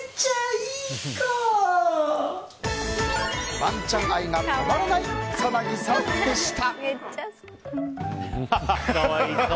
ワンちゃん愛が止まらない草なぎさんでした。